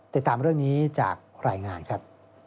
ติดตามเรื่องนี้จากรายงานครับ